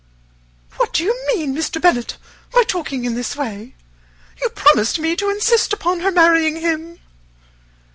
"What do you mean, Mr. Bennet, by talking in this way? You promised me to insist upon her marrying him."